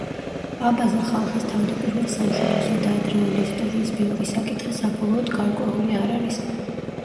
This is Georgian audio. აბაზა ხალხის თავდაპირველ სამშობლოსა და ადრეული ისტორიის ბევრი საკითხი საბოლოოდ გარკვეული არ არის.